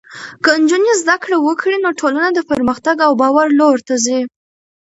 که نجونې زده کړه وکړي، نو ټولنه د پرمختګ او باور لور ته ځي.